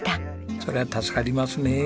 そりゃ助かりますね。